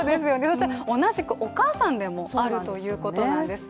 同じくお母さんでもあるということなんです。